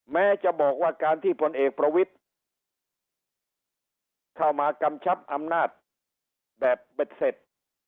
แม้จะบอกว่าการที่พลเอกประวิทธิ์เข้ามากำชับอำนาจแบบเบ็ดเสร็จ